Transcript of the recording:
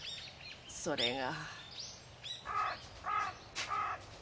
それが。